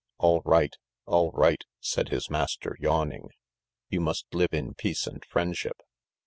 "All right, all right," said his master, yawning. "You must live in peace and friendship."